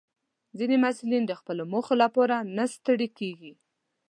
ځینې محصلین د خپلو موخو لپاره نه ستړي کېږي.